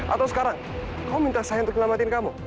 atau sekarang kamu minta saya untuk menyelamatkan kamu